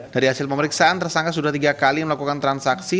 dari hasil pemeriksaan tersangka sudah tiga kali melakukan transaksi